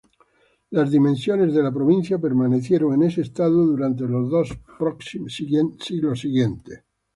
Las dimensiones de la provincia permanecieron en ese estado durante los dos próximos siglos.